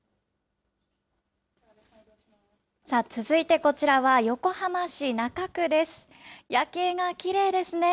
続いてこちらは横浜市中区です。